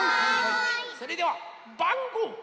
それではばんごう。